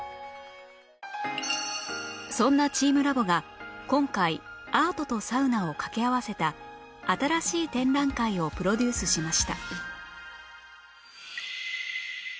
そんなチームラボが今回アートとサウナを掛け合わせた新しい展覧会をプロデュースしました